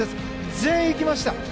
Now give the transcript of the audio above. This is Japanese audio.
全員、いきました。